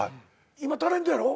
今タレントやろ？